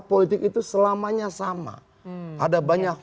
politik itu selamanya sama